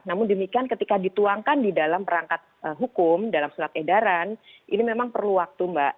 namun demikian ketika dituangkan di dalam perangkat hukum dalam surat edaran ini memang perlu waktu mbak